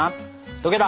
溶けた！